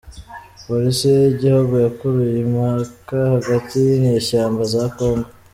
Polisi yigihugu yakuruye impaka hagati yinyeshyamba za congo